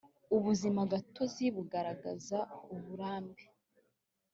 ubuzimagatozi bugaragaza uburambe.